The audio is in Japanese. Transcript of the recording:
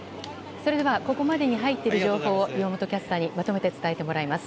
それでは、ここまでに入っている情報を岩本キャスターにまとめて伝えてもらいます。